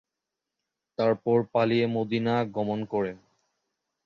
তারপর পালিয়ে মদীনা গমন করেন।